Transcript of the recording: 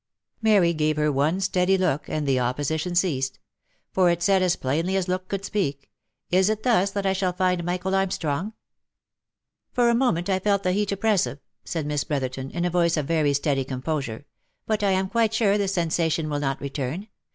Mary gave her one steady look, and the opposition ceased ; for it said as plainly as look could speak —" Is it thus that I shall find Michael Armstrong?" u For a moment I felt the heat oppressive," said Miss Brotherton, in a voice of very steady composure. " But I am quite sure the sen sation will not return.